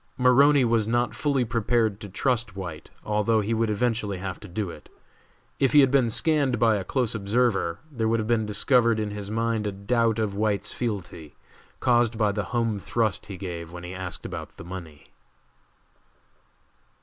Maroney was not fully prepared to trust White, although he would eventually have to do it. If he had been scanned by a close observer, there would have been discovered in his mind a doubt of White's fealty, caused by the home thrust he gave when he asked about the money.